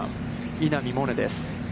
稲見萌寧です。